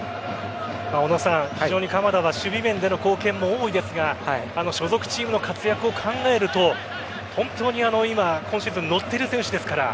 小野さん、非常に鎌田は守備面での貢献も多いですが所属チームでの活躍を考えると本当に今シーズン乗っている選手ですから。